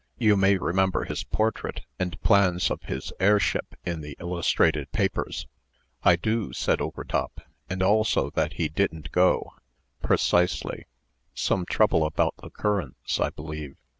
You may remember his portrait, and plans of his air ship, in the illustrated papers." "I do," said Overtop; "and also that he didn't go." "Precisely. Some trouble about the currents, I believe.